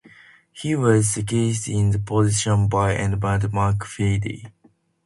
He was succeeded in the position by Edmund Muskie.